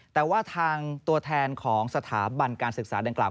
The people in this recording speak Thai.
แต่ว่าทางตัวแทนของสถาบันการศึกษาดังกล่า